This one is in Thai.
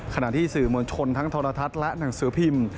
ขณะที่สื่อมวลชนทั้งโทรทัศน์และหนังสือพิมพ์